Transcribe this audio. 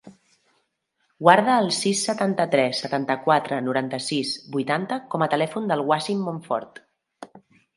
Guarda el sis, setanta-tres, setanta-quatre, noranta-sis, vuitanta com a telèfon del Wassim Monfort.